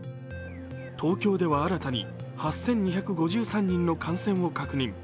東京では新たに８２５３人の感染を確認。